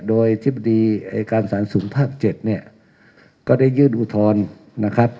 โดยทฤษฎีเอการสารสูงภาคเจ็ดเนี่ยก็ได้ยืนอุทธรณ์นะครับ